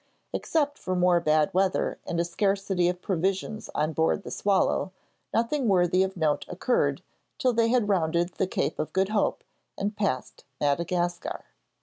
Except for more bad weather and a scarcity of provisions on board the 'Swallow,' nothing worthy of note occurred, till they had rounded the Cape of Good Hope and passed Madagascar.